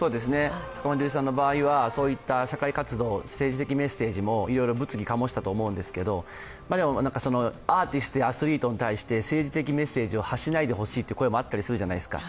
坂本龍一さんの場合は、そういった社会活動政治的メッセージもいろいろ物議を醸したと思うんですけどアーティスト、アスリートに対して政治的メッセージを発しないでほしいという声もあったりするじゃないですか。